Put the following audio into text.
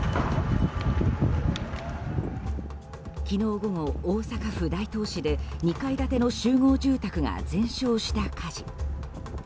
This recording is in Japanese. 昨日午後、大阪府大東市で２階建ての集合住宅が全焼した火事。